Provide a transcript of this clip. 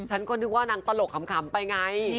ฉันก็นึกว่านางตลกขำไปไง